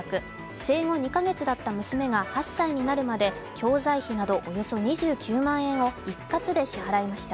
生後２か月だった娘が、８歳になるまで、教材費などおよそ２９万円を一括で支払いました。